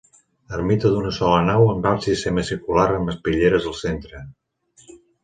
Ermita d'una sola nau amb absis semicircular amb espitlleres al centre.